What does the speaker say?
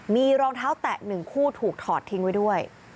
มีรองเท้าแตะ๑คู่ถูกถอดทิ้งไว้ด้วย